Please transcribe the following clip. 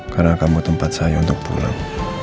karena kamu tempat saya untuk pulang